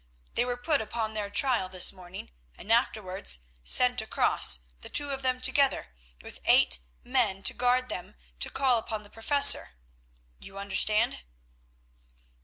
They were put upon their trial this morning, and afterwards sent across, the two of them together, with eight men to guard them, to call upon the Professor—you understand?"